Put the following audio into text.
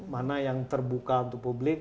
mana yang terbuka untuk publik